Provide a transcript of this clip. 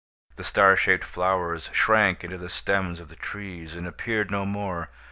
The star shaped flowers shrank into the stems of the trees, and appeared no more.